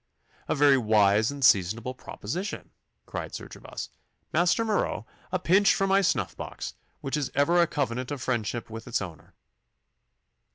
'A very wise and seasonable proposition,' cried Sir Gervas. 'Master Marot, a pinch from my snuff box, which is ever a covenant of friendship with its owner.